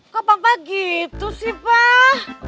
kok bapak gitu sih pak